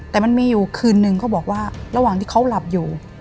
แต่มันมีอยู่คืนนึงเขาบอกว่าระหว่างที่เขาหลับอยู่